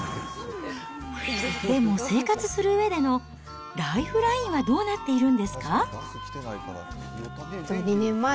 でも、生活するうえでのライフラインはどうなっているんですか？